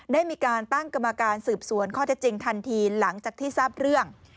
ได้มีการตั้งกรรมการสืบสวนข้อเท็จจริงทันทีหลังจากที่ทราบเรื่อง